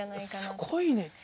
すごいね。